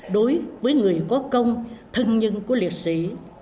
đối với người có công thân nhân của liệt sĩ